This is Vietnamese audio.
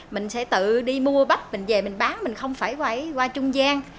mình sẽ tự đi mua bách mình về mình bán mình không phải qua trung gian